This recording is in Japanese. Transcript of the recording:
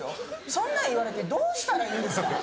そんなん言われてどうしたらいいんですか？